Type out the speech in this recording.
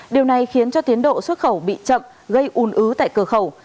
điều này khiến cho tiến độ xuất khẩu bị chậm gây ùn ứ tại cửa khẩu